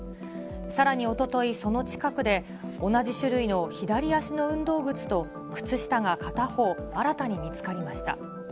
さらにおととい、その近くで、同じ種類の左足の運動靴と靴下が片方、新たに見つかりました。